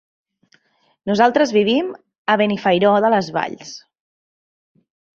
Nosaltres vivim a Benifairó de les Valls.